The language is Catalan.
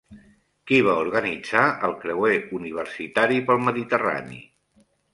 Qui va organitzar el creuer universitari pel Mediterrani?